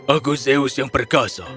aku zeus yang perkasa